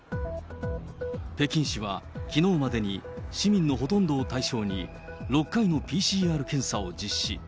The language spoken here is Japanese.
北京市は、きのうまでに市民のほとんどを対象に６回のＰＣＲ検査を実施。